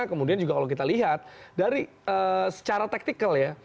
kemudian juga kalau kita lihat dari secara taktikal ya